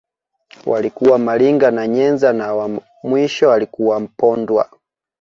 Walikuwa Maliga na Nyenza na wa mwisho alikuwa Mpondwa